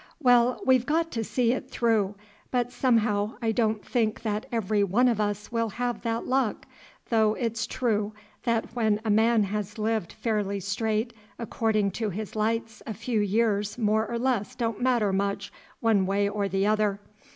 Well, we've got to see it through, but somehow I don't think that every one of us will have that luck, though it's true that when a man has lived fairly straight according to his lights a few years more or less don't matter much one way or the other.